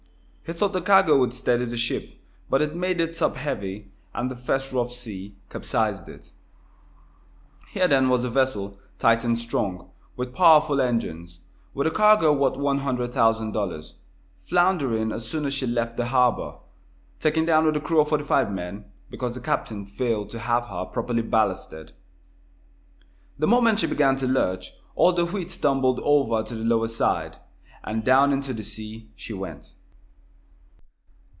He thought the cargo would steady the ship. But it made it top heavy, and the first rough sea capsized it. Here, then, was a vessel, tight and strong, with powerful engines, with a cargo worth one hundred thousand dollars, floundering as soon as she left the harbor, taken down with her crew of forty five men, because the captain failed to have her properly ballasted. The moment she began to lurch, all the wheat tumbled over to the lower side, and down into the sea she went.